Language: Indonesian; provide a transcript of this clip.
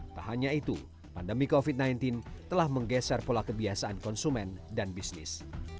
tak hanya itu pandemi covid sembilan belas telah menggeser pola kebiasaan konsumen dan bisnis